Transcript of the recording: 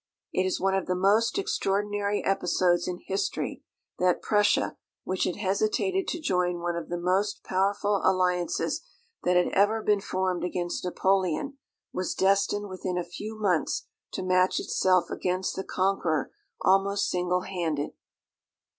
It is one of the most extraordinary episodes in history that Prussia, which had hesitated to join one of the most powerful alliances that had ever been formed against Napoleon, was destined within a few months to match itself against the conqueror almost single handed.